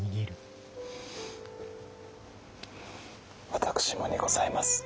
私もにございます上様。